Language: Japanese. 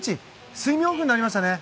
スイムオフになりましたね。